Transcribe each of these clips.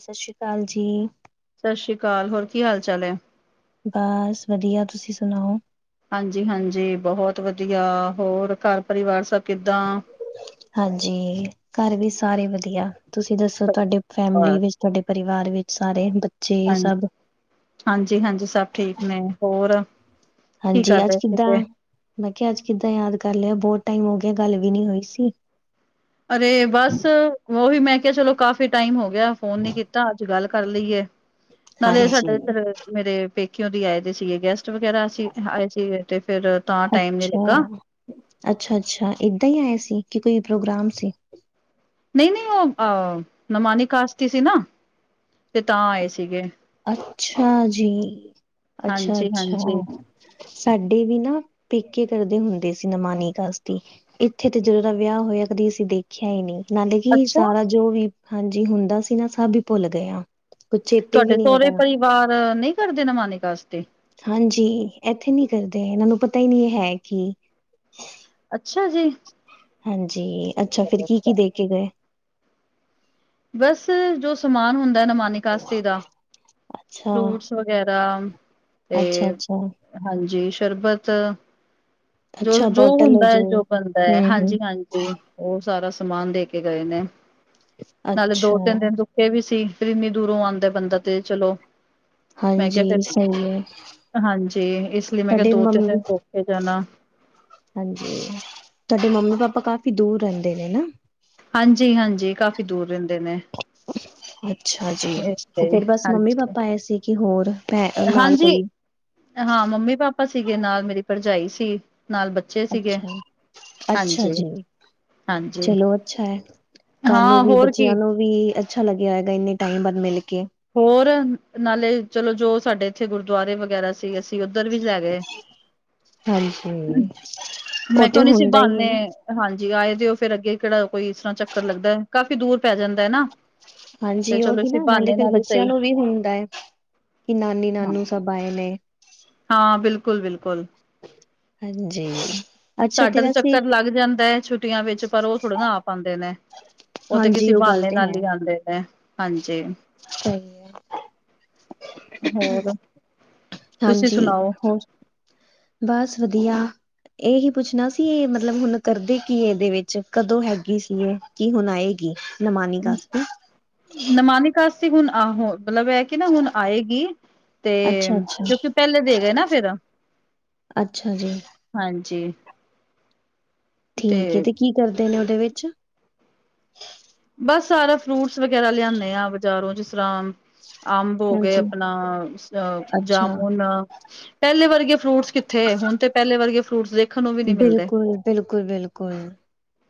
ਸਸ਼੍ਰੀ ਅਕਾਲ ਜੀ। ਸਸ੍ਰੀ ਅਕਾਲ, ਹੋਰ ਕੀ ਹਾਲ-ਚਾਲ ਐ? ਬਸ ਵਧੀਆ, ਤੁਸੀ ਸੁਣਾਓ? ਹਾਂਜੀ-ਹਾਂਜੀ ਬਹੁਤ ਵਧੀਆ, ਹੋਰ ਘਰ-ਪਰਿਵਾਰ ਸਭ ਕਿੱਦਾਂ? ਹਾਂਜੀ, ਘਰ ਵੀ ਸਾਰੇ ਵਧੀਆ। ਤੁਸੀਂ ਦੱਸੋ ਤੁਆਡੇ ਫੈਮਲੀ ਬਸ ਵਿੱਚ, ਤੁਆਡੇ ਪਰਿਵਾਰ ਵਿੱਚ ਸਾਰੇ ਬੱਚ? ਹਾਂ, ਹਾਂਜੀ -ਹਾਂਜੀ ਸਭ ਠੀਕ ਨੇ। ਹੋਰ? ਕੀ ਹਾਂਜੀ ਕਰ ਅੱਜ ਰਹੇ ਸੀਗੇ? ਕਿੱਦਾਂ? ਮੈਂ ਕਿਆ ਅੱਜ ਕਿੱਦਾਂ ਯਾਦ ਕਰ ਲਿਆ, ਬੋਤ ਟਾਈਮ ਹੋ ਗਿਆ ਗੱਲ ਵੀ ਨੀ ਹੋਈ ਸੀ। ਅਰੇ ਬਸ ਉਹੀ ਮੈਂ ਕਿਆ ਚਲੋ ਕਾਫ਼ੀ ਟਾਈਮ ਹੋ ਗਿਆ ਫੋਨ ਨੀ ਕੀਤਾ ਅੱਜ ਗੱਲ ਕਰ ਲਈਏ, ਨਾਲੇ ਸਾਡੇ ਹਾਂਜੀ ਇੱਧਰ ਮੇਰੇ ਪੇਕਿਓ ਦੀ ਆਏ ਦੇ ਸੀਗੇ ਗੈਸਟ ਵਗੈਰਾ ਸੀ, ਆਏ ਸੀ ਤੇ ਫੇਰ ਤਾਂ ਟਾਈਮ ਨੀ ਅੱਛਾ ਲੱਗਾ। ਅੱਛਾ -ਅੱਛਾ ਇਦਾਂ ਈ ਆਏ ਸੀ ਕਿ ਕੋਈ ਪ੍ਰੋਗਰਾਮ ਸੀ? ਨਈ -ਨਈ ਓ ਅ ਨਮਾਨੀ ਕਾਸਤੀ ਸੀ ਨਾ, ਤੇ ਤਾਂ ਆਏ ਸੀਗੇ। ਅੱਛਾ ਜੀ, ਅੱਛਾ- ਅੱਛਾ ਹਾਂਜੀ-ਹਾਂਜੀ ਓ ਸਾਡੇ ਵੀ ਨਾ ਪੇਕੇ ਕਰਦੇ ਹੁੰਦੇ ਸੀ ਨਮਾਨੀ ਕਾਸਤੀ। ਇੱਥੇ ਤੇ ਜਦੋਂ ਦਾ ਵਿਆਅ ਹੋਇਆ ਕਦੀ ਅਸੀਂ ਦੇਖਿਆ ਈ ਨਈ। ਨਾਲੇ ਕਿ ਅੱਛਾ ਸਾਰਾ ਜੋ ਵੀ ਹਾਂਜੀ ਹੁੰਦਾ ਸੀ ਨਾ ਸਭ ਈ ਭੁੱਲ ਗਏ ਆ ਕੁਛ ਚੇ ਤੁਆਡੇ ਸੋਰੇ ਪਰਿਵਾਰ ਨਈ ਕਰਦੇ ਨਮਾਨੀ ਕਾਸਤੀ? ਹਾਂਜੀ, ਐਥੇ ਨੀ ਕਰਦੇ ਏਨਾਂ ਨੂੰ ਪਤਾ ਈ ਨੀ ਏ ਹੈ ਕੀ। ਅੱਛਾ ਜੀ। ਹਾਂਜੀ। ਅੱਛਾ ਫੇਰ ਕੀ- ਕੀ ਦੇ ਕੇ ਗਏ? ਬਸ ਜੋ ਸਮਾਨ ਹੁੰਦੈ ਨਮਾਨੀ ਕਾਸਤੀ ਦਾ, ਅੱਛਾ ਫਰੂਟਸ ਵਗੈਰਾ ਅੱਛਾ ਤੇ ਅੱਛਾ ਹਾਂਜੀ ਸ਼ਰਬਤ ਜੋ, ਅੱਛਾ ਜੋ ਬੋਟਲ ਹੋ ਹੁੰਦਾ ਐ ਜੋ ਬਨਦਾ ਐ, ਹਮ ਹਮ ਹਾਂਜੀ- ਹਾਂਜੀ। ਤੇ ਓ ਸਾਰਾ ਸਮਾਨ ਦੇ ਕੇ ਗਏ ਨੇ, ਨਾਲੇ ਅੱਛਾ ਦੋ, ਤਿੰਨ ਦਿਨ ਰੁ ਕੇ ਵੀ ਸੀ ਫੇਰ ਇੰਨੀ ਦੂਰੋਂ ਆਂਦਾ ਬੰਦਾ ਤੇ ਚਲੋ ਮੈਂ ਕਿਹਾ ਹਾਂਜੀ, ਫਿਰ ਸਈ ਐ। ਹਾਂਜੀ, ਇਸ ਲਈ ਮੈਂ ਕਿਆ ਦੋ, ਤਿੰਨ ਦਿਨ ਰੁਕ ਕੇ ਜਾਨਾ। ਹਾਂਜੀ, ਤੁਆਡੇ ਮੰਮੀ- ਪਾਪਾ ਕਾਫੀ ਦੂਰ ਰੈਂਦੇ ਨੇ ਨਾ? ਹਾਂਜੀ-ਹਾਂਜੀ ਕਾਫ਼ੀ ਦੂਰ ਰੈਂਦੇ ਨੇ। [unintelligible] ਅ ਅੱਛਾ ਜੀ। ਇਸ ਲਈ ਫੇਰ ਬਸ ਮੰਮੀ, ਹਾਂਜੀ ਪਾਪਾ ਆਏ ਸੀ ਕਿ ਹੋਰ ਭੈਣ ਨਾਲ ਹਾਂਜੀ ਕੋਈ? ਹਾਂ, ਮੰਮੀ -ਪਾਪਾ ਸੀਗੇ ਨਾਲ ਮੇਰੀ ਭਰਜਾਈ ਸੀ, ਨਾਲ ਬੱਚ ਅੱਛਾ, ਅੱਛਾ ਜੀ। ਹਾਂਜੀ ਚਲੋ ਅੱਛਾ ਐ। ਤੁਆਨੂੰ ਹਾਂ ਵੀ ਹੋਰ ਬੱਚਿਆਂ ਕੀ ਨੂੰ ਵੀ ਅੱਛਾ ਲੱਗਿਆ ਹੋਏਗਾ ਇੰਨੇ ਟਾਈਮ ਬਾਦ ਮਿਲ ਕੇ‌। ਹੋਰ, ਨਾਲੇ ਚਲੋ ਜੋ ਸਾਡੇ ਐਥੇ ਗੁਰਦੁਆਰੇ ਵਗੈਰਾ ਸੀ ਅਸੀਂ ਉੱਧਰ ਵੀ ਲੈ ਗਏ। ਹਾਂਜੀ, ਓ ਮੈਂ ਕਿਹਾ ਤੇ ਨਹੀਂ ਸੀ ਹੁੰਦਾ ਈ ਏ ਬਹਾਨੇ ਨਾ। ਹਾਂਜੀ, ਆਏ ਦੇ ਓ ਫੇਰ ਅੱਗੇ ਕੇੜਾ ਕੋਈ ਇਸ ਤਰ੍ਹਾਂ ਚੱਕਰ ਲੱਗਦੈ, ਕਾਫ਼ੀ ਦੂਰ ਪੈ ਜਾਂਦਾ ਐ ਨਾ। ਹਾਂਜੀ ਤੇ ਚਲੋ ਉਹੀ ਇਸੀ ਨਾ ਨਾਲੇ ਬਹਾਨੇ ਫੇਰ ਨਾਲ ਹੀ ਬੱਚਿਆਂ ਸਹੀ ਨੂੰ ਵੀ ਹੁੰਦਾ ਏ ਕਿ ਨਾਨੀ - ਹਾਂ, ਨਾਨੂ ਸਭ ਆਏ ਨੇ। ਹਾਂ ਬਿਲਕੁਲ- ਬਿਲਕੁਲ। ਹਾਂਜੀ। ਅੱਛਾ ਸਾਡਾ ਤੇ ਵੈਸੇ ਚੱਕਰ ਲੱਗ ਜਾਂਦੈ ਛੁੱ ਛੁੱਟੀਆਂ ਵਿੱਚ ਪਰ ਓ ਥੋੜੇ ਨਾ ਆ ਪਾਂਦੇ ਨੇ, ਓ ਤੇ ਕਿਸੇ ਹਾਂਜੀ ਉਹ ਗੱਲ ਬਆਨੇ ਤੇ ਹੈ। ਨਾਲ ਈ ਆਂਦੇ ਨੇ, ਹਾਂਜੀ। ਸਹੀ ਹੈ। ਹੋਰ‌? ਹਾਂਜੀ। ਹੋਰ, ਬਸ ਵਧੀਆ। ਏਹੀ ਪੁੱਛਨਾ ਸੀ ਏ ਮਤਲਬ ਹੁਨ ਕਰਦੇ ਕੀ ਐਦੇ ਵਿੱਚ, ਕਦੋਂ ਹੈਗੀ ਸੀ ਏ? ਕੀ ਹੁਣ ਆਏਗੀ ਨਮਾਨੀ ਕਾਸਤੀ ਕਾਸਤੀ ਹੁਣ ਆਹੋ ਮਤਲਬ ਇਹ ਕਿ ਨਾ ਹੁਣ ਆਏਗੀ ਤੇ ਅੱਛਾ ਅੱਛਾ ਕਿਉਂਕਿ ਪਹਿਲੇ ਦੇ ਗਏ ਨਾ ਫੇਰ ਅੱਛਾ ਜੀ ਹਾਂਜੀ ਠੀਕ ਹੈ ਤੇ ਕੀ ਕਰਦੇ ਨੇ ਉਹਦੇ ਵਿੱਚ ਬਸ ਸਾਰਾ ਫਰੂਟਸ ਵਗੈਰਾ ਲਿਆਨੇ ਆ ਬਜ਼ਾਰੋਂ ਜਿਸ ਤਰ੍ਹਾਂ ਅੰਬ ਹੋ ਗਏ ਹਾਂਜੀ ਆਪਣਾ [unintelligible] ਅੱਛਾ ਜਾਮੁਨ ਪਹਿਲੇ ਵਰਗੇ ਫਰੂਟਸ ਕਿੱਥੇ ਹੁਣ ਤੇ ਪਹਿਲੇ ਵਰਗੇ ਫਰੂਟਸ ਦੇ ਦੇਖਣ ਨੂੰ ਵੀ ਨਹੀਂ ਮਿਲਦੇ ਬਿਲਕੁਲ ਬਿਲਕੁਲ ਬਿਲਕੁਲ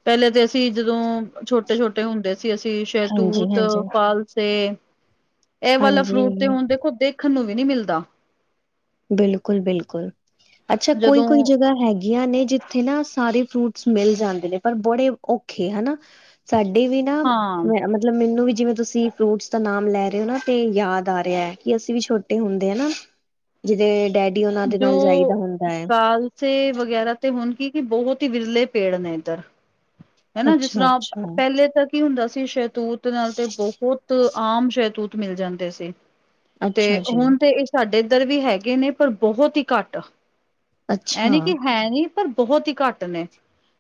ਪਹਿਲੇ ਤੇ ਅਸੀਂ ਜਦੋਂ ਛੋਟੇ ਛੋਟੇ ਟੇ ਹੁੰਦੇ ਸੀ ਅਸੀਂ ਹਾਂਜੀ ਸਹਿਤੂਤ ਹਾਂਜੀ ਫਾਲਸੇ ਇਹ ਵਾਲਾ ਫਰੂਟ ਤੇ ਹਾਂਜੀ ਹੁਣ ਦੇਖੋ ਦੇਖਣ ਨੂੰ ਵੀ ਨਹੀਂ ਮਿਲਦਾ ਬਿਲਕੁਲ ਬਿਲਕੁਲ ਅੱਛਾ ਕੋਈ ਜਦੋਂ ਕੋਈ ਜਗ੍ਹਾ ਹੈਗੀ ਹੈਗੀਆਂ ਨੇ ਜਿੱਥੇ ਨਾ ਸਾਰੇ ਫਰੂਟਸ ਮਿਲ ਜਾਂਦੇ ਨੇ ਪਰ ਬੜੇ ਔਖੇ ਹਨਾ ਸਾਡੀ ਵੀ ਨਾ ਮ ਹਾਂ ਮਤਲਬ ਮੈਨੂੰ ਵੀ ਜਿਵੇਂ ਤੁਸੀਂ ਫਰੂਟਸ ਦਾ ਨਾਮ ਲੈ ਰਹੇ ਹੋ ਨਾ ਤੇ ਯਾਦ ਆ ਰਿਹਾ ਹੈ ਕਿ ਅਸੀਂ ਵੀ ਛੋਟੇ ਹੁੰਦਿਆਂ ਨਾ ਜਿਦੇ ਡੈਡੀ ਉਹਨਾ ਦੇ ਨਾਲ ਜਾਈਦਾ ਹੁੰਦਾ ਹੈ ਸੇ ਵਗੈਰਾ ਤੇ ਹੁਣ ਕੀ ਕੀ ਬਹੁਤ ਹੀ ਵਿਰਲੇ ਪੇੜ ਨੇ ਇੱਧਰ ਹੈਨਾ ਜਿਸ ਤਰ੍ਹਾਂ ਅੱਛਾ-ਅੱਛਾ, [unintelligible] ਪਹਿਲੇ ਤਾਂ ਕੀ ਹੁੰਦਾ ਸੀ ਸਹਿਤੂਤ ਨਾਲ ਤੇ ਬਹੁਤ ਆਮ ਸਹਿਤੂਤ ਮਿਲ ਜਾਂਦੇ ਸੀ ਅੱਛਾ ਤੇ ਅੱਛਾ ਜੀ। ਹੁਣ ਤੇ ਇਹ ਸਾਡੇ ਇੱਧਰ ਵੀ ਹੈਗੇ ਨੇ ਪਰ ਬਹੁਤ ਹੀ ਘੱਟ ਇਹ ਅੱਛਾ। ਨੀ ਕਿ ਹੈ ਨੀ ਪਰ ਬਹੁਤ ਹੀ ਘੱਟ ਨੇ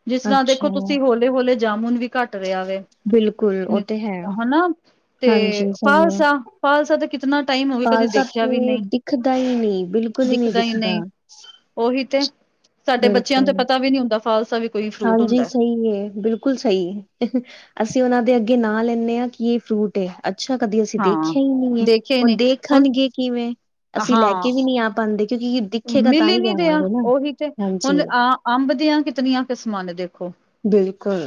ਜਿਸ ਤਰ੍ਹਾਂ ਅੱਛਾ। ਦੇਖੋ ਤੁਸੀਂ ਹੋਲ ਲੇ ਹੌਲੇ ਜਾਮੁਨ ਵੀ ਘੱਟ ਰਿਹਾ ਵੇ ਬਿਲਕੁਲ ਉਹ ਨੀ ਤੇ ਹੈ ਹਨਾ ਤੇ ਹਾਂਜੀ ਸਹੀ ਹੈ ਫਾਲਸਾ ਫਾਲਸਾ ਤੇ ਕਿ ਕਿਤਨਾ ਟਾਈਮ ਹੋਵੇ ਕਦੇ ਦੇਖਿਆ ਵੀ ਨਹੀਂ ਖਦਾ ਹੀ ਨਹੀ ਬਿਲ ਦਿਖਦਾ ਹੀ ਨਹੀਂ ਉਹੀ ਤੇ ਸਾਡੇ ਬੱਚਿਆਂ ਨੂੰ ਤੇ ਬਿਲਕੁਲ। ਪਤਾ ਵੀ ਨਹੀ ਹੁੰਦਾ ਫਾਲਸਾ ਵੀ ਕੋਈ ਫਰੂਟ ਹੁੰਦਾ [unintelligible] ਏ ਬਿਲ ਕੁਲ ਸਹੀ ਏ ਅਸੀਂ ਉਹਨਾਂ ਦੇ ਅੱਗੇ ਨਾ ਲੈਂਣੇ ਹਾਂ ਕਿ ਇਹ ਫਰੂ ਟ ਏ ਅੱਛਾ ਕਦੀ ਅਸੀਂ ਹਾਂ ਦੇਖਿਆ ਹੀ ਨਹੀਂ ਏ ਦੇਖੇ ਹੁਣ ਨੇ ਹੁਣ ਦੇਖਣਗੇ ਕਿਵੇਂ ਅਸੀਂ ਹਾਂ ਲੈ ਕੇ ਵੀ ਨੀ ਆ ਪਾਉਂਦੇ ਕਿਉਕੀ ਮਿਲ ਹੀ ਨੀ ਰਿਹਾ ਉਹੀ ਤੇ ਹਾਂਜੀ ਹੁਣ ਅ ਅੰਬ ਦੀਆਂ ਕਿਤਨੀਆਂ ਕਿਸਮਾਂ ਨੇ ਦੇਖੋ ਬਿਲਕੁਲ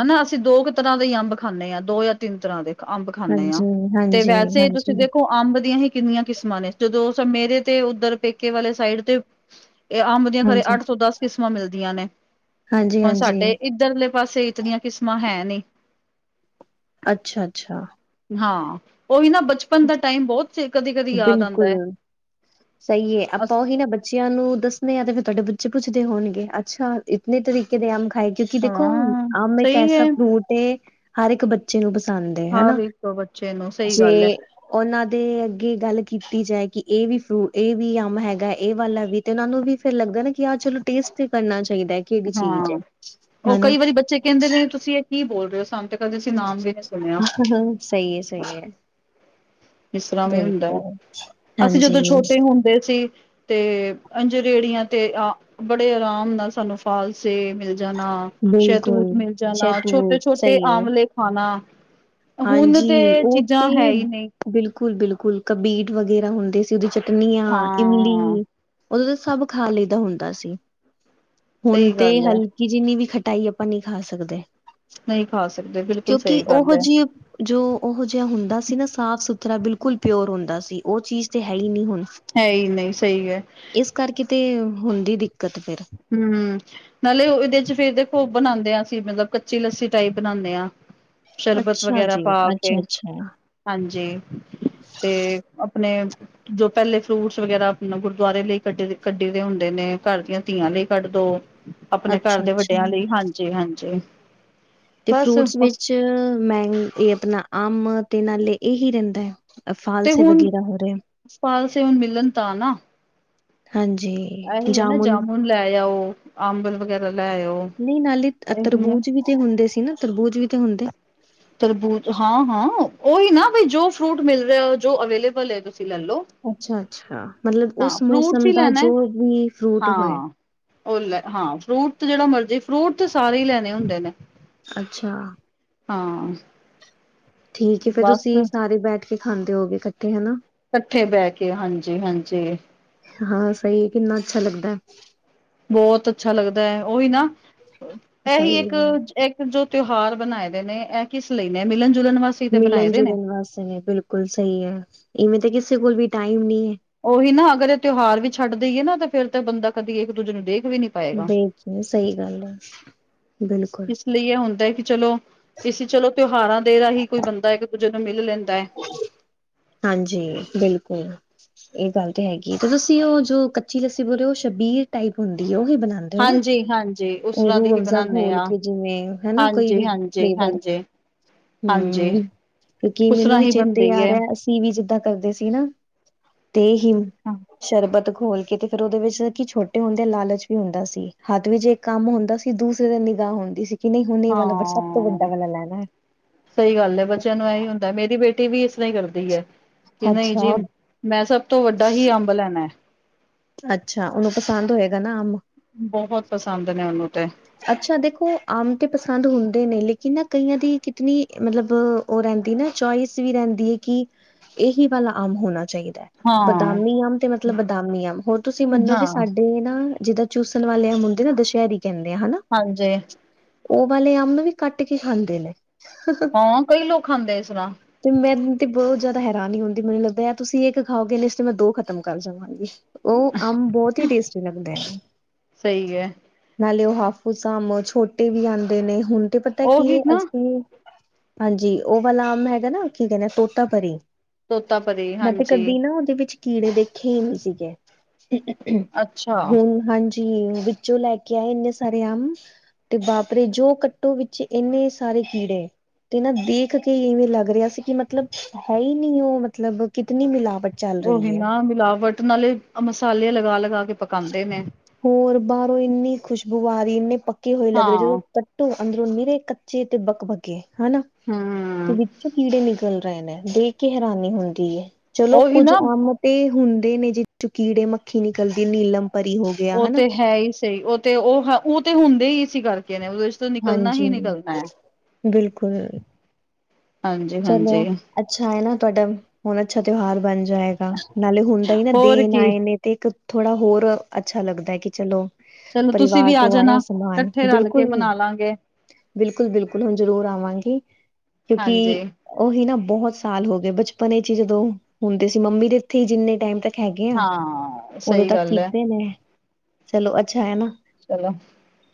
ਹਨਾ ਅਸੀਂ ਦੋ ਕੁ ਤਰ੍ਹਾਂ ਦੇ ਹੀ ਅੰਬ ਖਾਂਣੇ ਆ ਦੋ ਯਾਂ ਤਿੰਨ ਤਰ੍ਹਾਂ ਦੇ ਅੰਬ ਖਾਣੇ ਹਾਂ ਹਾਂਜੀ ਤੇ ਹਾਂਜੀ ਵੈਸੇ ਤੁਸੀਂ ਹਾਂਜੀ ਦੇਖੋ ਅੰਬ ਦੀਆਂ ਹੀ ਕਿੰਨੀਆਂ ਕਿਸਮਾਂ ਨੇ ਜਦੋਂ ਸ ਮੇਰੇ ਤੇ ਉੱਧਰ ਪੇਕੇ ਵਾਲੇ ਸਾਈਡ ਤੇ ਇਹ ਅੰਬ ਦੀਆਂ ਹਾਂਜੀ ਅੱਠ ਤੋਂ ਦਸ ਕਿਸਮਾਂ ਮਿਲਦੀਆਂ ਨੇ ਹਾਂਜੀ ਹੁਣ ਹਾਂਜੀ ਸਾਡੇ ਇੱ ਧਰਲੇ ਪਾਸੇ ਇਤਨੀਆਂ ਕਿਸਮਾਂ ਹੈ ਨਹੀਂ ਅੱਛਾ ਅੱਛਾ ਹਾਂ ਉਹ ਵੀ ਨਾ ਬਚਪਨ ਦਾ ਟਾਈਮ ਬਹੁਤ ਕਦੀ ਕਦੀ ਯਾਦ ਆਉਂਦਾ ਏ ਬਿਲਕੁਲ ਸਹੀ ਏ ਆਪਾਂ ਉਹੀ ਨਾ ਬੱ ਚਿਆਂ ਨੂੰ ਦੱਸਣੇ ਆ ਤੇ ਫੇਰ ਤੁਹਾਡੇ ਬੱਚੇ ਪੁਛਦੇ ਹੋਣਗੇ ਅੱਛਾ ਇਤਨੇ ਤਰੀਕੇ ਦੇ ਆਮ ਖਾਏ ਕਿ ਕਿ ਦੇਖੋ ਹਾਂ ਆਮ ਇੱਕ ਸਹੀ ਐਸਾ ਹੈ ਫਰੂਟ ਏ ਹਰ ਇੱਕ ਬੱਚੇ ਨੂੰ ਪਸੰਦ ਹੈ ਹਰ ਹਨਾ ਇੱਕ ਬੱਚੇ ਨੂੰ ਸਹੀ ਜੇ ਗੱਲ ਹੈ। ਉਹਨਾਂ ਦੇ ਅੱਗੇ ਗੱਲ ਕੀਤੀ ਜਾਏ ਕਿ ਇਹ ਵੀ ਫਰੂ ਇਹ ਵੀ ਅੰਮ ਹੈਗਾ ਇਹ ਵਾਲਾ ਵੀ। ਤੇ ਉਹਨਾਂ ਨੂੰ ਵੀ ਫੇਰ ਲੱਗਣ ਕਿ ਆਹ ਚਲੋ ਟੇਸਟ ਕਰਨਾ ਚਾਹੀਦਾ ਏ। ਹਾਂ ਉਹ ਕਈ ਵਾਰੀ ਬੱਚੇ ਕਹਿੰਦੇ ਨੇ ਤੁਸੀਂ ਇਹ ਕੀ ਬੋਲ ਰਹੇ ਹੋ? ਸਾਨੂੰ ਤੇ- ਕਦੇ ਅਸੀਂ ਨਾਮ ਵੀ ਨੀ ਸੁਣਿਆ। ਸਹੀ ਏ- ਸਹੀ ਏ। ਇਸ ਤਰਾਂ ਵੀ ਹੁੰਦਾ, ਅਸੀਂ ਹਾਂਜੀ ਜਦੋਂ ਛੋਟੇ ਹੁੰਦੇ ਸੀ। ਤੇ ਅੰਜਰੇੜੀਆਂ ਤੇ ਆ ਬੜੇ ਆਰਾਮ ਨਾਲ ਸਾਨੂੰ ਫਾਲਸੇ ਮਿਲ ਜਾਣਾ। ਸ਼ਹਿਤੂਤ ਬਿਲਕੁਲ ਮਿਲ ਜਾਣਾ, ਸ਼ਹਿਤੂਤ ਛੋਟੇ-ਛੋਟੇ ਸਹੀ ਹੈ ਆਮਲੇ ਖਾਣਾ। ਹੁਣ ਹਾਂਜੀ ਤੇ ਉਹ ਚੀਜ਼ਾਂ ਤੇ ਹੈ ਹੀ ਨਹੀਂ। ਬਿਲਕੁਲ- ਬਿਲਕੁਲ ਕਬੀਟ ਵਗੈਰਾ ਹੁੰਦੇ ਸੀ। ਉਹਦੀ ਚਟਨੀਆਂ, ਹਾਂ। ਇਮਲੀ, ਉਦੋਂ ਤਾਂ ਸਭ ਖਾ ਲਈਦਾ ਹੁੰਦਾ ਸੀ। ਹੁਣ ਸਹੀ ਤੇ ਗੱਲ ਹੈ ਹਲ- ਕਿ ਜਿੰਨੀ ਵੀ ਖਟਾਈ ਆਪਾਂ ਨਹੀਂ ਖਾ ਸਕਦੇ। ਨਹੀਂ ਖਾ ਸਕਦੇ ਬਿਲਕੁਲ ਕਿਉਂਕਿ ਸਹੀ ਗੱਲ ਉਹੋ ਏ। ਜਿਹੀ ਜੋ ਉਹੋ ਜਿਹਾ ਹੁੰਦਾ ਸੀ ਨਾ ਸਾਫ ਸੁਥਰਾ ਬਿਲਕੁਲ ਪਿਓਰ ਹੁੰਦਾ ਸੀ। ਉਹ ਚੀਜ਼ ਤੇ ਹੈ ਹੀ ਨਹੀਂ ਹੁਣ। ਹੈ ਹੀ ਨਹੀਂ ਸਹੀ ਏ। ਇਸ ਕਰਕੇ ਤੇ ਹੁੰਦੀ ਦਿੱਕਤ ਫਿਰ। ਹੂੰ। ਨਾਲੇ ਇਹਦੇ ਚ ਫੇਰ ਦੇਖੋ ਬਣਾਉਂਦੇ ਹਾਂਸੀਂ ਮਤਲਬ ਕੱਚੀ ਲੱਸੀ ਟਾਈਪ ਬਣਾਉਂਦੇ ਹਾਂ। ਸ਼ਰਬਤ ਅੱਛਾ ਵੇਗਰਾ ਜੀ ਪਾ ਕੇ, ਅੱਛਾ ਅੱਛਾ ਹਾਂਜੀ। ਤੇ ਆਪਣੇ- ਜੋ ਪਹਿਲੇ ਫਰੂਟਸ ਵਗੈਰਾ ਆਪਣਾ ਗੁਰਦੁਆਰੇ ਲਈ ਕੱਢ ਕੱਢੀ ਦੇ ਹੁੰਦੇ ਨੇ। ਘਰ ਦੀਆਂ- ਧੀਆਂ ਲਈ ਕੱਢ ਦੋ, ਆਪਣੇ ਘਰ ਅੱਛਾ ਦੇ ਵੱਡਿਆਂ ਅੱਛਾ ਲਈ, ਹਾਂਜੀ- ਹਾਂਜੀ। ਤੇ ਫਰੂਟਸ ਵਿੱਚ ਮੈਂਗ ਇਹ ਆਪਣਾ ਆਮ ਤੇ ਨਾਲੇ ਇਹ ਹੀ ਰਹਿੰਦਾ। ਏ ਫਾਲਸੇ ਵਗੈਰਾ ਹੋ ਰਹੇ। ਫਾਲਸੇ ਹੁਣ ਮਿਲਣ ਤਾਂ ਨਾ। ਹਾਂਜੀ। ਇਹੀ ਹੈ ਨਾ ਜਾਮੁਨ ਲੈ ਆਓ ਅੰਬ ਵਗੈਰਾ ਲੈ ਆਓ ਨਹੀਂ ਨਾਲੇ ਇਹੀ ਨਾ। ਤਰਬੂਜ ਵੀ ਤੇ ਹੁੰਦੇ ਸੀ ਨਾ ਤਰਬੂਜ ਵੀ ਤੇ ਹੁੰਦੇ। ਤਰਬੂਜ ਹਾਂ- ਹਾਂ ਉਹੀ ਨਾ ਬਈ ਜੋ ਫਰੂਟ ਮਿਲ ਰਿਹਾ ਜੋ ਅਵੇਲੇਬਲ ਹੈ। ਤੁਸੀਂ ਲੈ ਲੋ। ਅੱਛਾ- ਅੱਛਾ ਮਤਲਬ ਉਸ ਹਾਂ ਫਰੂਟਸ ਮੌਸਮ ਹੀ ਦਾ ਲੈਣਾ ਹੈ ਜੋ ਵੀ ਫਰੂਟ ਹੋਏ। ਹਾਂ ਉਹ ਲੈ ਹਾਂ ਫਰੂਟ ਤੇ ਜਿਹੜਾ ਮਰਜ਼ੀ ਫਰੂਟ ਤੇ ਸਾਰੇ ਹੀ ਲੈਣੇ ਹੁੰਦੇ ਨੇ। ਅੱਛਾ। ਹਾਂ। ਠੀਕ ਐ ਫੇਰ ਬਸ ਤੁਸੀਂ ਸਾਰੇ ਬੈਠ ਕੇ ਖਾਂਦੇ ਹੋਗੇ ਇਕੱਠੇ ਹਨਾ। ਇਕੱਠੇ ਬਹਿ ਕੇ ਹਾਂਜੀ- ਹਾਂਜੀ। ਹਾਂ ਸਹੀ ਹੈ ਕਿੰਨਾ ਅੱਛਾ ਲੱਗਦਾ ਏ। ਬੋਤ ਅੱਛਾ ਲੱਗਦਾ ਹੈ, ਉਹੀ ਨਾ, ਇਹੀ ਸਹੀ ਇੱਕ ਹੈ। ਇੱਕ ਜੋ ਤਿਉਹਾਰ ਬਣਾਏ ਦੇ ਨੇ ਇਹ ਕਿਸ ਲਈ ਨੇ ਮਿਲਣ- ਜੁਲਣ ਵਾਸ- ਮਿਲਣ- ਜੁਲਣ ਵਾਸਤੇ ਨੇ ਬਿਲਕੁਲ ਸਹੀ ਹੈ, ਇਵੇਂ ਤਾਂ ਕਿਸੇ ਕੋਲ ਵੀ ਟਾਈਮ ਨਹੀ ਹੈ। ਉਹੀ ਨਾ ਅਗਰ ਇਹ ਤਿਉਹਾਰ ਵੀ ਛੱਡ ਦੇਈਏ ਨਾ ਤੇ ਫੇਰ ਤਾਂ ਬੰਦਾ ਕਦੀ ਇੱਕ ਦੂਜੇ ਨੂੰ ਦੇਖ ਵੀ ਨ- ਦੇਖ ਲਓ ਸਹੀ ਗੱਲ ਏ ਬਿਲਕੁਲ। ਇਸ ਲਈ ਇਹ ਹੁੰਦਾ ਹੈ ਕਿ ਚਲੋ ਇਸਂ ਚਲੋ ਤਿਉਹਾਰਾਂ ਦੇ ਰਾਹੀਂ ਕੋਈ ਬੰਦਾ ਇੱਕ ਦੂਜੇ ਨੂੰ ਮਿਲ ਲੈਂਦਾ ਐ। ਹਾਂਜੀ ਬਿਲਕੁਲ। ਇਹ ਗੱਲ ਤੇ ਹੈਗੀ ਹੈ, ਤੇ ਤੁਸੀਂ ਉਹ ਜੋ ਕੱਚੀ ਲੱਸੀ ਬੋਲ ਹੋ ਛਬੀਲ ਟਾਈਪ ਹੁੰਦੀ ਉਹੀ ਬਣਾਉ- ਦੇ ਹੋ ਨਾ, ਹਾਂਜੀ ਹਾਂਜੀ ਉਸ ਤਰ੍ਹਾਂ ਰੂ ਦੀ ਹੀ ਅਫਜ਼ਾ ਬਣਾਉਦੇ ਗੋਲ ਆ ਕੇ ਜਿਵੇਂ ਹਨਾ ਕੋਈ ਵੀ ਹਾਂਜੀ, ਹਾਂਜੀ, ਫਲੈਵਰ- ਹਾਂਜੀ, ਹਾਂਜੀ ਹੂੰ ਕਿਉਕਿ ਉਸ ਮੈਨੂੰ ਤਰ੍ਹਾਂ ਵੀ ਹੀ ਚੇਤੇ ਬਣਦੀ ਆ ਹੈ। ਰਿਹਾ ਅਸੀਂ ਵੀ ਜਿੱਦਾਂ ਕਰਦੇ ਸੀ ਨਾ। ਤੇਹੀਮ ਸ਼ਰਬਤ ਖੋਲ ਕੇ ਤੇ ਫੇਰ ਉਹਦੇ ਵਿੱਚ ਕੀ ਛੋਟੇ ਹੁੰਦੇ ਲਾਲਚ ਵੀ ਹੁੰਦਾ ਸੀ ਹੱਥ ਵੀ ਜੇ ਕੰਮ ਹੁੰਦਾ ਸੀ ਦੂਸਰੇ ਦੀ ਨਿਗਾਹ ਹੁੰਦੀ ਸੀ ਕਿ ਨੀ ਹੁਣ ਇਹ ਵਾਲਾ ਸਭ ਤੋਂ ਵੱਡਾ ਹਾਂ ਵਾਲਾ ਲੈਣੈ ਸਹੀ ਗੱਲ ਐ ਬੱਚਿਆਂ ਨੂੰ ਇਹੀ ਹੁੰਦਾ ਮੇਰੀ ਬੇਟੀ ਵੀ ਇਸਰ੍ਹਾਂ ਈ ਕਰਦੀ ਐ ਕਿ ਹੈ ਨਹੀਂ ਜੀ ਅੱਛਾ ਮੈਂ ਸਭ ਤੋਂ ਵੱਡਾ ਹੀ ਅੰਬ ਲੈਨੈ। ਅੱਛਾ ਉਹਨੂੰ ਪਸੰਦ ਹੋਏਗਾ ਨਾ ਅੰਬ ਬਹੁਤ ਪਸੰਦ ਨੇ ਉਹਨੂੰ ਤੇ। ਅੱਛਾ ਦੇਖੋ ਅੰਬ ਤੇ ਪਸੰਦ ਹੁੰਦੇ ਨੇ ਲੇਕਿਨ ਨਾ ਕਈਆਂ ਦੀ ਕਿਤਨੀ ਮਤਲਬ ਉਹ ਰਹਿੰਦੀ ਨਾ ਚੋਇਸ ਵੀ ਰਹਿੰਦੀ ਏ ਕਿ ਇਹੀ ਵਾਲਾ ਅੰਬ ਹੋਣਾ ਚਾਹੀਦੈ। ਹਾਂ, ਬਦਾਮੀ ਅੰਬ ਤੇ ਮਤਲਬ ਬਦਾਮੀ ਅੰਬ ਹੋਰ ਤੁਸੀਂ ਮੰਨੋਗੇ ਹਾਂ ਸਾਡੇ ਵੀ ਨਾ ਜਿੱਦਾਂ ਚੂਸਣ ਵਾਲੇ ਅੰਬ ਹੁੰਦੇ ਨਾ ਦੁਸ਼ਹਿਰੀ ਕਹਿੰਦੇ ਆ, ਹਨਾ। ਹਾਂਜੀ ਉਹ ਵਾਲੇ ਅੰਮ ਵੀ ਕੱਟ ਕੇ ਖਾਂਦੇ ਨੇ। ਹਾਂ ਕਈ ਲੋਕ ਖਾਂਦੇ ਇਸਰ੍ਹਾਂ। ਤੇ ਮੈਨੂੰ ਤੇ ਬੋਤ ਜਾਦਾ ਹੈਰਾਨੀ ਹੁੰਦੀ ਮੈਨੂੰ ਲੱਗਦਾ ਤੁਸੀਂ ਇੱਕ ਖਾਓਗੇ ਉਹਨੇ ਚ ਤਾਂ ਮੈਂ ਦੋ ਖ਼ਤਮ ਕਰ ਜਾਵਾਂਗੀ। ਉਹ ਅੰਮ ਬਹੁਤ ਈ ਟੇਸਟੀ ਲੱਗਦੈ, ਸਹੀ ਹੈ ਨਾਲੇ ਉਹ ਹਾਫੂ ਸਾਮ ਛੋਟੇ ਵੀ ਆਂਦੇ ਨੇ, ਹੁਣ ਤੇ ਪਤਾ ਕੀ ਉਹੀ ਏ ਨਾ ਅਸੀਂ ਹਾਂਜੀ ਉਹ ਵਾਲਾ ਅੰਮ ਹੈਗਾ ਨਾ, ਕੀ ਕਹਿੰਦੇ ਤੋਤਾ ਪਰੀ ਤੋਤਾਪਰੀ ਮੈਂ ਤੇ ਹਾਂਜੀ ਕਦੀ ਨਾ ਉਹਦੇ ਵਿੱਚ ਕੀੜੇ ਦੇਖੇ ਈ ਨੀ ਸੀਗੇ, ਅੱਛਾ ਹੁਣ ਹਾਂਜੀ ਵਿੱਚੋਂ ਲੈ ਕੇ ਆ ਇੰਨੇ ਸਾਰੇ ਅੰਮ ਤੇ ਬਾਪ ਰੇ ਜੋ ਕੱਟੋ ਵਿੱਚ ਇੰਨੇ ਸਾਰੇ ਕੀੜੇ ਤੇ ਨਾ ਦੇਖ ਕੇ ਇਵੇਂ ਲੱਗ ਰਿਹਾ ਸੀ ਕਿ ਮਤਲਬ ਹੈ ਈ ਨੀ ਉਹ ਮਤਲਬ ਕਿਤਨੀ ਮਿਲਾਵਟ ਚੱਲ ਉਹ ਰਹੀ ਹੈ। ਬਿਨਾਂ ਮਿਲਾਵਟ ਨਾਲੇ ਮਸਾਲੇ ਲਗਾ ਲਗਾ ਕੇ ਪਕਾਂਦੇ ਨੇ ਹੋਰ ਬਾਰੋਂ ਇੰਨੀ ਖੁਸ਼ਬੂ ਆ ਰੀ ਇੰਨੇ ਪੱਕੇ ਹੋਏ ਲੱਗ ਰੇ ਹਾਂ ਜਦੋਂ ਕੱਟੋ ਅੰਦਰੋਂ ਨਿਰੇ ਕੱਚੇ ਤੇ ਬੱਕ ਬੱਕੇ ਹਨਾ। ਹਮ ਤੇ ਵਿੱਚ ਕੀੜੇ ਨਿਕਲ ਰੇ ਨੇ ਦੇਖ ਕੇ ਹੈਰਾਨੀ ਹੁੰਦੀ ਐ ਚਲੋ ਉਹੀ ਕੁੱਝ ਨਾ ਅੰਮ ਤੇ ਹੁੰਦੇ ਨੇ ਜਿ ਚੋ ਕੀੜੇ ਮੱਖੀ ਨਿਕਲਦੇ ਨੇ, ਨੀਲਮ ਪਰੀ ਹੋ ਗਿਆ ਉਹ ਹਨਾ ਤੇ ਹੈ ਈ ਸਹੀ, ਉਹ ਤੇ ਉਹ ਹ ਉਹ ਤੇ ਹੁੰਦੇ ਇਸੀ ਕਰ ਕੇ ਨੇ ਉਹਦੇ ਚ ਤਾਂ ਨਿਕਲਣਾ ਹਾਂਜੀ ਹੀ ਨਿਕਲਣੈ। ਬਿਲਕੁਲ ਹਾਂਜੀ ਚਲੋ। ਹਾਂਜੀ ਅੱਛਾ ਐ ਨਾ ਤੁਹਾਡਾ ਹੁਣ ਅੱਛਾ ਤਿਉਹਾਰ ਬਣ ਜਾਏਗਾ, ਨਾਲੇ ਹੁਣ ਤਾਂ ਹੀ ਨਾ ਹੋਰ ਦੇਣ ਕੀ ਆਏ ਨੇ। ਤੇ ਇੱਕ ਥੋੜਾ ਹੋਰ ਅੱਛਾ ਲੱਗਦੈ ਕਿ ਚਲੋ ਚਲੋ ਤੁਸੀਂ ਵੀ ਪਰਿਵਾਰ ਆ ਤੋਂ ਜਾਣਾ ਆਇਆ ਸਮਾਨ ਇਕੱਠੇ ਰਲ ਕੇ ਬਿਲਕੁਲ, ਮਨਾ ਲਾਂਗੇ ਬਿਲਕੁਲ, ਬਿਲਕੁਲ ਹੁਣ ਜ਼ਰੂਰ ਆਵਾਂਗੀ, ਕਿਉਂਕਿ ਹਾਂਜੀ ਉਹੀ ਨਾ ਬਹੁਤ ਸਾਲ ਹੋਗੇ ਬਚਪਨ ਇਚ, ਜਦੋਂ ਹੁੰਦੇ ਸੀ ਮੰਮੀ ਦੇ ਇੱਥੇ ਹੀ ਜਿੰਨੇ ਟਾਈਮ ਤਾ ਹੈਗੇ ਆਂ, ਹਾਂ ਉਦੋਂ ਸਹੀ ਤਾਂ ਗੱਲ ਹੈ ਕੀਤੇ ਨੇ ਚਲੋ ਅੱਛਾ ਹੈ ਨਾ। ਚਲੋ,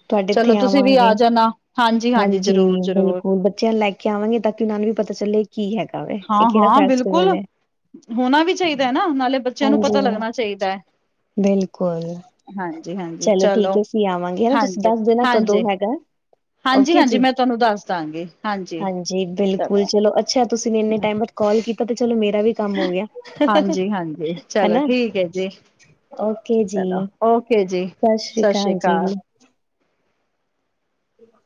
ਤੁਹਾਡੇ ਚਲੋ ਇੱਥੇ ਤੁਸੀਂ ਵੀ ਆਵਾਂਗੇ ਆ ਜਾਣਾ, ਹਾਂਜੀ-ਹਾਂਜੀ, ਹਾਂਜੀ ਜ਼ਰੂਰ-ਜ਼ਰੂਰ। ਬਿਲਕੁਲ ਬੱਚਿਆਂ ਨੂੰ ਲੈ ਕੇ ਕੇ ਆਵਾਂਗੇ ਤਾਂ ਕਿ ਉਹਨਾਂ ਨੂੰ ਵੀ ਪਤਾ ਚੱਲੇ ਕੀ ਹੈਗਾ ਵੇ, ਇਹ ਹਾਂ ਕਿਹੜਾ ਹਾਂ ਫੈਸਟੀਵਲ ਬਿਲਕੁਲ ਐ। ਹੋਣਾ ਵੀ ਚਾਹੀਦੈ ਨਾ, ਨਾਲੇ ਬੱਚਿਆਂ ਨੂੰ ਪਤਾ ਹਾਂਜੀ ਲੱਗਣਾ ਚਾਹੀਦੈ। ਬਿਲਕੁਲ। ਚਲੋ ਠੀਕ ਏ ਅਸੀਂ ਆਵਾਂਗੇ, ਹਨਾ ਤੁਸੀਂ ਹਾਂਜੀ ਦੱਸ ਦੇਣ ਕਦੋਂ ਹਾਂਜੀ ਹੈਗੈ? ਹਾਂਜੀ ਓਕੇ ਜੀ, ਹਾਂਜੀ ਮੈਂ ਤੁਹਾਨੂੰ ਦੱਸ ਦਾਂਗੀ ਹਾਂਜੀ, ਬਿਲਕੁਲ ਚਲੋ ਅ ਅੱਛਾ, ਤੁਸੀਂ ਵੀ ਇੰਨੇ ਟਾਈਮ ਬਾਦ ਕਾਲ ਕੀਤਾ ਤੇ ਚਲੋ ਮੇਰ ਔ ਵੀ ਕੰਮ ਹੋ ਗਿਆ, ਹਾਂਜੀ-ਹਾਂਜੀ ਚਲੋ ਹਨਾ, ਠੀਕ ਹੈ ਜੀ ਓਕੇ ਜੀ। ਚਲੋ ਓਕੇ ਜੀ। ਸਤਿ ਸ਼੍ਰੀ ਅਕਾਲ ਜੀ। ਠੀਕ ਆ।